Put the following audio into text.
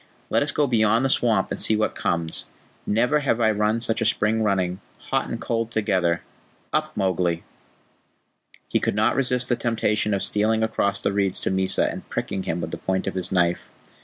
Let us go beyond the swamp and see what comes. Never have I run such a spring running hot and cold together. Up, Mowgli!" He could not resist the temptation of stealing across the reeds to Mysa and pricking him with the point of his knife.